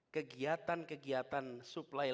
kegiatan kegiatan supply labor